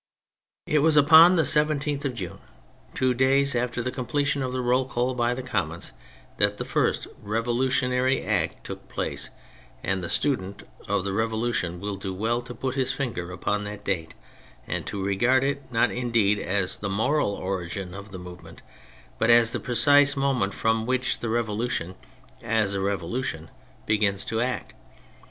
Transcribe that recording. It was upon the 17th of June, two days after the completion of the roll call by the Commons, that the first revolutionarv act took place, and the student of the Revolu tion will do well to put his finger upon that date and to regard it not indeed as the moral origin of the movement, but as the precise moment from which the Revolution, as a Revolution, begins to act.